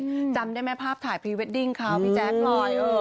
จำได้ไหมภาพถ่ายพรีเวดดิ้งเขาพี่แจ๊คลอยเออ